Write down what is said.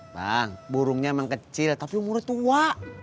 bang burungnya memang kecil tapi umurnya tua